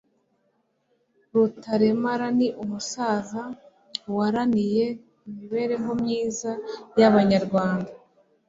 rutaremara ni umusaza waraniye imibereho myiza y'abanyarwanda